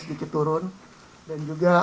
sedikit turun dan juga